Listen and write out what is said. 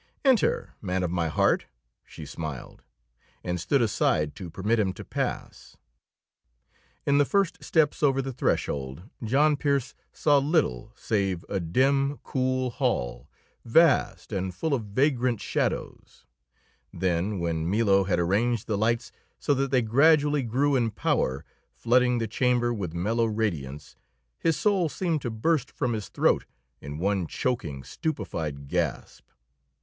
"Enter, man of my heart," she smiled, and stood aside to permit him to pass. In the first steps over the threshold John Pearse saw little save a dim, cool hall, vast and full of vagrant shadows; then, when Milo had arranged the lights so that they gradually grew in power, flooding the chamber with mellow radiance, his soul seemed to burst from his throat in one choking, stupefied gasp.